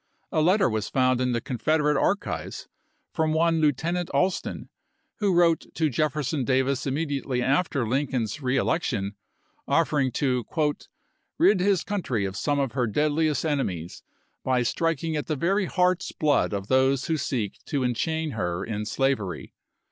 A letter was found in the Confederate w!aAi?ton Archives from one Lieutenant Alston, who wrote Davis. 'On file in to Jefferson Davis immediately after Lincoln's re th0ef ^ece election, offering to "rid his country of some of her A<ivoSte deadliest enemies by striking at the very heart's waswig? blood of those who seek to enchain her in slavery."